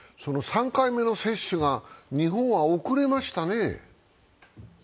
３回目の接種が日本は遅れましたね？